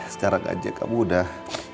sekarang aja kamu udah